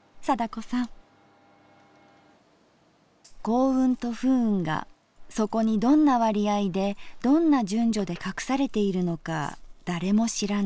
「幸運と不運がそこにどんな割合でどんな順序でかくされているのか誰も知らない。